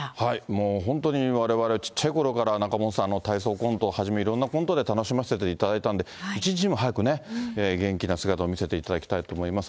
もう本当にわれわれちっちゃいころから仲本さんの体操コントをはじめ、いろんなコントで楽しませていただいたんで、一日も早く元気な姿を見せていただきたいと思います。